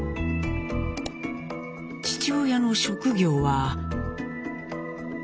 父親の職業は？